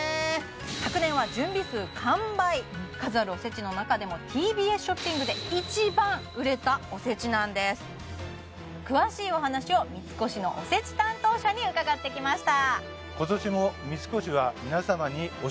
昨年は準備数完売数あるおせちの中でもＴＢＳショッピングで一番売れたおせちなんです詳しいお話を三越のおせち担当者に伺ってきました